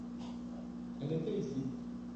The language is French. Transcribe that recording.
Elle était ici.